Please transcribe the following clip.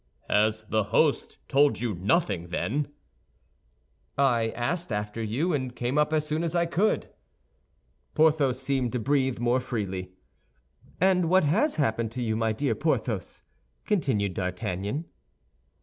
"Has the host told you nothing, then?" "I asked after you, and came up as soon as I could." Porthos seemed to breathe more freely. "And what has happened to you, my dear Porthos?" continued D'Artagnan.